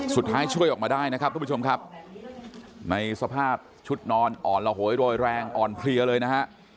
ช่วยออกมาได้นะครับทุกผู้ชมครับในสภาพชุดนอนอ่อนระโหยโรยแรงอ่อนเพลียเลยนะฮะ